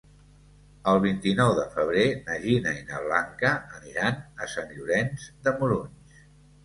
El vint-i-nou de febrer na Gina i na Blanca aniran a Sant Llorenç de Morunys.